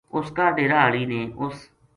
اُس کا ڈیرا ہاڑی نے اُ س